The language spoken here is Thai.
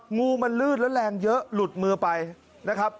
งูมันลืดแล้วแรงเยอะหลุดมือไปนะครับ